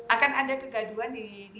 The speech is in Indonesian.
akan ada kegaduhan